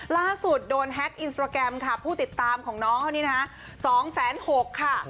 ล่าสุดโดนแฮ็กอินสตราแกรมค่ะผู้ติดตามของน้องเขานี่นะคะ๒๖๐๐ค่ะ